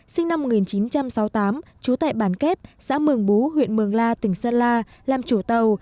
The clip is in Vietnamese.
sinh năm một nghìn chín trăm sáu mươi tám trú tại bản kép xã mường bú huyện mường la tỉnh sơn la làm chủ tàu